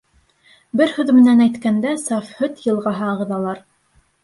Бер һүҙ менән әйткәндә, саф һөт йылғаһы ағыҙалар.